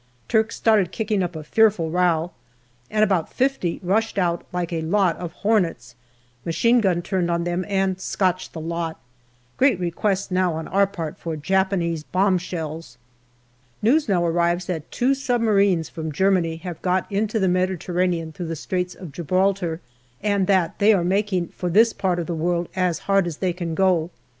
Turks started kicking up a fearful row, and about fifty rushed out like a lot of hornets. Machine gun turned on them and scotched the lot. Great request now on our part for Japanese bomb shells. News now arrives that two submarines from Germany have got into the Mediterranean through the Straits of Gibraltar, and that they are making for this part of the world as hard as they can go.